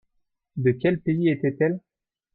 De quel pays était-elle ?